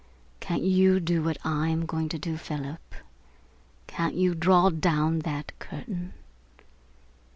Can't you do what I am going to do, Philip? Can't you draw down that curtain?"